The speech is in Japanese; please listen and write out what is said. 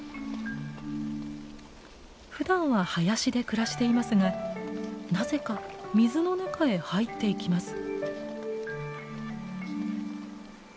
ふだんは林で暮らしていますがなぜか水の中へ入っていきます。